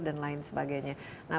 dan lain sebagainya